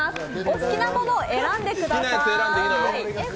好きな物を選んでください。